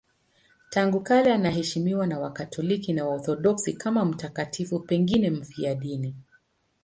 Tangu kale anaheshimiwa na Wakatoliki na Waorthodoksi kama mtakatifu, pengine mfiadini.